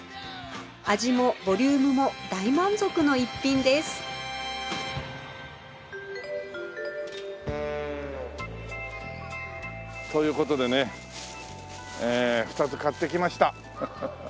味もボリュームも大満足の逸品ですという事でね２つ買ってきました。